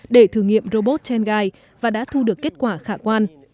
để thử nghiệm robot tengai và đã thu được kết quả khả quan